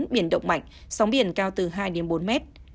biển động mạnh sóng biển cao từ hai đến bốn mét